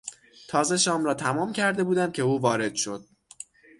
تازه شام را تمام کرده بودم که او وارد شد.